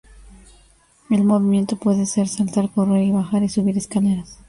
El movimiento puede ser saltar, correr, y bajar y subir escaleras.